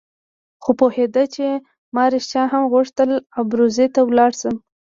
خو پوهېده چې ما رښتیا هم غوښتل ابروزي ته ولاړ شم.